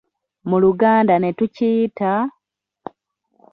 Mu Luganda ne tukiyita?